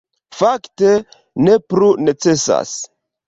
Fakte, ne plu necesas.